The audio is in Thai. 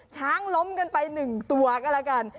ช้างล้มกันไปหนึ่งตัวกันแล้วกัน